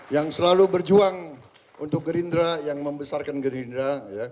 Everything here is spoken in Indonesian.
yang selalu berjuang untuk gerindra yang membesarkan gerindra